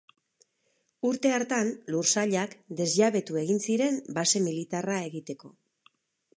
Urte hartan lursailak desjabetu egin ziren base militarra egiteko.